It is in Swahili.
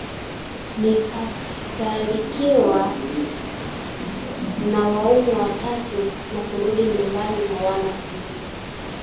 Nikatalikiwa na waume watatu na kurudi nyumbani na wana sita